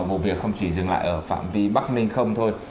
vụ việc không chỉ dừng lại ở phạm vi bắc ninh không thôi